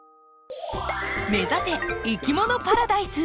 目指せいきものパラダイス！